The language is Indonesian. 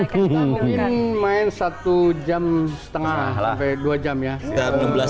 mungkin main satu jam setengah sampai dua jam ya